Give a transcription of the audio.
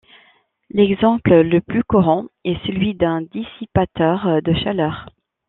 L'exemple le plus courant est celui d'un dissipateur de chaleur.